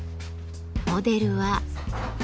モデルは。